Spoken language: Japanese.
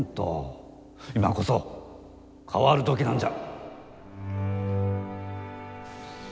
今こそ変わる時なんじゃ。